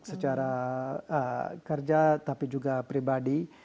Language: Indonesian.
secara kerja tapi juga pribadi